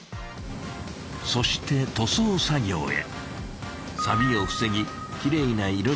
そして塗装作業へ。